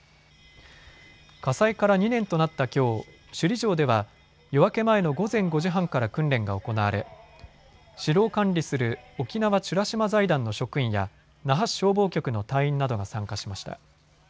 火災から２年となったきょう首里城では夜明け前の午前５時半から訓練が行われ城を管理する沖縄美ら島財団の職員や那覇市消防局の隊員などが参加しました。